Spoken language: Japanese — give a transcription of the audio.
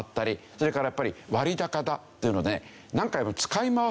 それからやっぱり割高だっていうので何回も使い回すと。